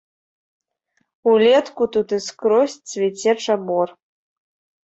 Улетку тут і скрозь цвіце чабор.